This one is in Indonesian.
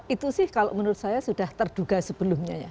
itu sih kalau menurut saya sudah terduga sebelumnya ya